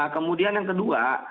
kemudian yang kedua